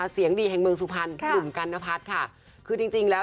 เสียงดีแห่งเมืองสุภัณฑ์อุ่มกัลณพัตค่ะคือจริงจริงแล้ว